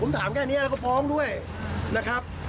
ผมถามแค่นี้แล้วก็ฟ้องด้วยนะครับ